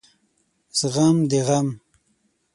زغم د غم